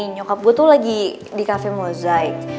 nyokap gue tuh lagi di cafe mozaik